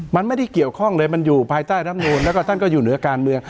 มันไม่ได้เกี่ยวข้องเลยมันอยู่ภายใต้รำนูนแล้วก็ท่านก็อยู่เหนือการเมือง